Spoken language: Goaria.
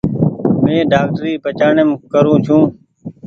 مين ڊآڪٽري پچآڻيم ڪرو ڇو۔